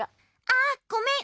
あっごめん。